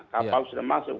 kapal sudah masuk